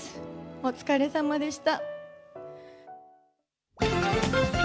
お疲れさまでした。